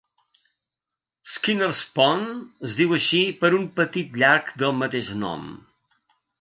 Skinners Pond es diu així per un petit llac del mateix nom.